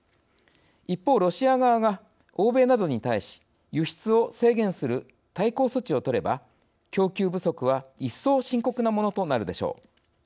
一方ロシア側が欧米などに対し輸出を制限する対抗措置を取れば供給不足はいっそう深刻なものとなるでしょう。